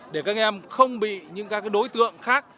để các em không bị những đối tượng khác